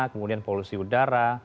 kemudian polusi udara